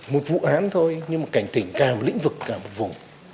một vụ án thôi nhưng mà cảnh tỉnh cả một lĩnh vực cả một vụ